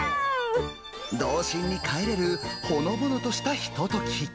童心にかえれるほのぼのとしたひととき。